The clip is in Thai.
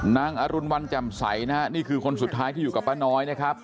อรุณวันแจ่มใสนะฮะนี่คือคนสุดท้ายที่อยู่กับป้าน้อยนะครับ